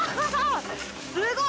すごい！